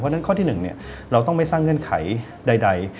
เพราะฉะนั้นข้อที่๑เราต้องไม่สร้างเงื่อนไขใด